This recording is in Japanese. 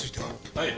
はい。